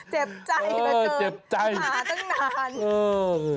เจ็บใจมาเกินหาตั้งนาน